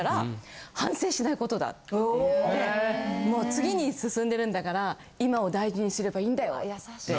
・次に進んでるんだから今を大事にすればいいんだよって。